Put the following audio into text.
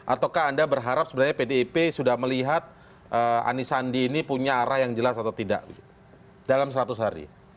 ataukah anda berharap sebenarnya pdip sudah melihat anisandi ini punya arah yang jelas atau tidak dalam seratus hari